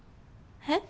えっ？